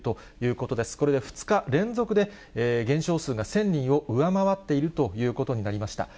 これで２日連続で、減少数が１０００人を上回っているということになりました。